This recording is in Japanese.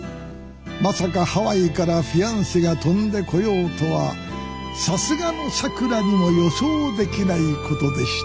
まさかハワイからフィアンセが飛んでこようとはさすがのさくらにも予想できないことでした